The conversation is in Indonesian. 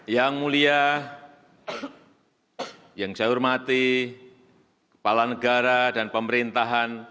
yang mulia yang saya hormati kepala negara dan pemerintahan